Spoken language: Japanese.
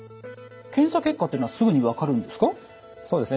検査結果っていうのはすぐに分かるんですか？